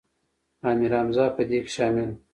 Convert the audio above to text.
امیر حمزه په دې کې شامل و.